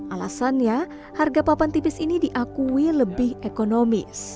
alasannya harga papan tipis ini diakui lebih ekonomis